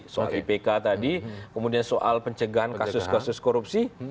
soal ipk tadi kemudian soal pencegahan kasus kasus korupsi